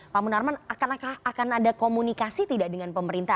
pak munarman akan ada komunikasi tidak dengan pemerintah